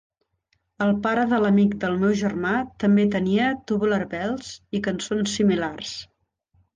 El pare de l'amic del meu germà també tenia "Tubular Bells" i cançons similars.